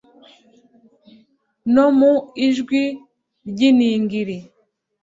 no mu ijwi ry’iningiri